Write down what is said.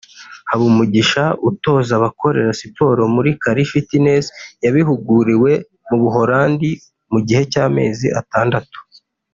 Habumugisha utoza abakorera siporo muri Cali Fitness yabihuguriwe mu Buholandi mu gihe cy’amezi atandatu